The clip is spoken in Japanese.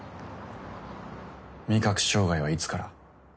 味覚障害はいつから？